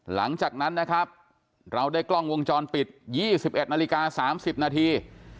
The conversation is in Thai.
หลังจากนั้นนะครับเราได้กล้องวงจรปิด๒๑นาฬิกา๓๐นาที